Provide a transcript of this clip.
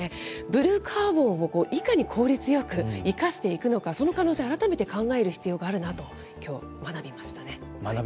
ブルーカーボンをいかに効率よく生かしていくのか、その可能性、改めて考える必要があるなときょう、学びましたね。